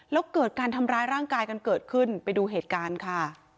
แล้วเกิดการทำร้ายร่างกายกันเกิดขึ้นไปดูเหตุการณ์ค่ะ